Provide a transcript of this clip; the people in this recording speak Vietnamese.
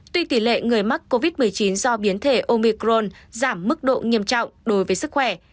tuy tỷ lệ người mắc covid một mươi chín do biến thể omicron giảm mức độ nghiêm trọng đối với sức khỏe